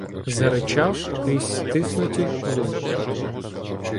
Заричав крізь стиснуті зуби.